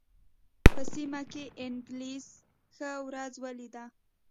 په سیمه کې انګلیس ښه ورځ ولېده.